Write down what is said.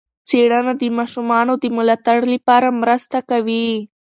څېړنه د ماشومانو د ملاتړ لپاره مرسته کوي.